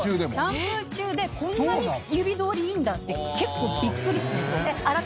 シャンプー中でこんなに指通りいいんだって結構ビックリすると思う。